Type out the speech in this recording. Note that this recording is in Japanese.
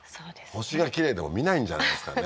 星がきれいでも見ないんじゃないですかね